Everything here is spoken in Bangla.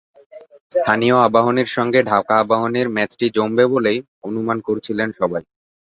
স্থানীয় আবাহনীর সঙ্গে ঢাকা আবাহনীর ম্যাচটি জমবে বলেই অনুমান করছিলেন সবাই।